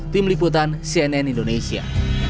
tim liputan cnn indonesia